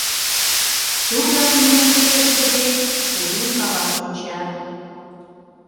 Тудо, нимом пелештыде, кужун каваш онча.